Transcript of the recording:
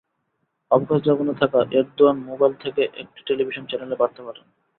অবকাশ যাপনে থাকা এরদোয়ান মোবাইল থেকে একটি টেলিভিশন চ্যানেলে বার্তা পাঠান।